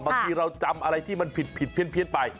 บางทีเราจำอะไรที่มันผิดเพี้ยนไป